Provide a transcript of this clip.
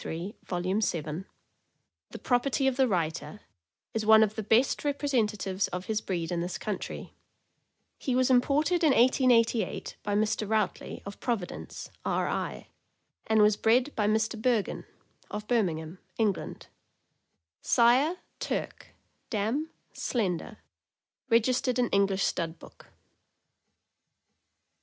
16733, volume 7), the property of the writer, is one of the best representatives of his breed in this country. He was imported in 1888 by Mr. Routley, of Providence, R. I., and was bred by Mr. Bergon, of Birmingham, England ; sire, Turk ; dam, Slendor ; reg istered in English Stud Book.